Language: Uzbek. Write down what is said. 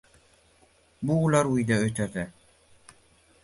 Bu ular uyda oʻtirdi.